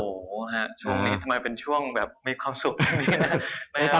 โอ้โหช่วงนี้ทำไมเป็นช่วงแบบไม่ความสุขแบบนี้นะ